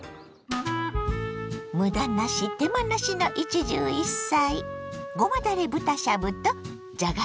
むだなし手間なしの一汁一菜。